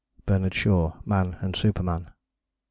BERNARD SHAW, Man and Superman. V.